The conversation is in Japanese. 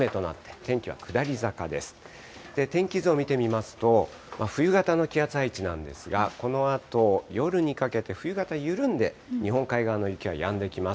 天気図を見てみますと、冬型の気圧配置なんですが、このあと、夜にかけて冬型緩んで、日本海側の雪はやんできます。